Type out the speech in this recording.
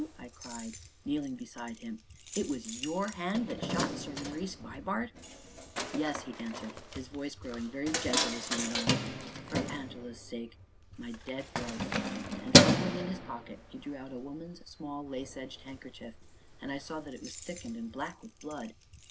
I cried, kneeling beside him, "it was your hand that shot Sir Maurice Vibart?" "Yes," he answered, his voice growing very gentle as he went on, "for Angela's sake my dead wife," and, fumbling in his pocket, he drew out a woman's small, lace edged handkerchief, and I saw that it was thickened and black with blood.